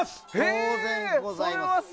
当然ございます！